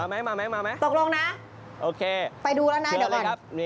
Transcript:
ไปดูแล้วนะเดี๋ยวมั่น